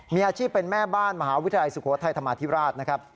มีอาชีพเป็นแม่บ้านมหาวิทยาลัยสุโขทัยธรรมาธิราชนะครับ